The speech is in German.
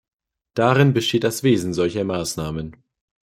Darin besteht das Wesen solcher Maßnahmen.